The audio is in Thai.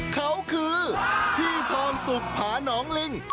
เขาคือพี่ทองสุกผาน้องลิง